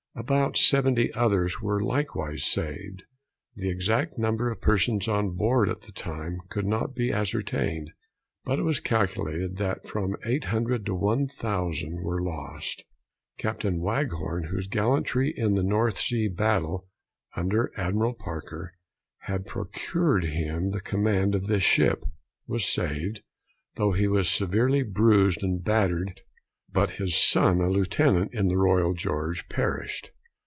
About seventy others were likewise saved. The exact number of persons on board at the time could not be ascertained; but it was calculated that from 800 to 1000 were lost. Captain Waghorn whose gallantry in the North Sea Battle, under Admiral Parker, had procured him the command of this ship, was saved, though he was severely bruised and battered; but his son, a lieutenant in the Royal George, perished.